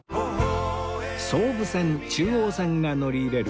総武線中央線が乗り入れる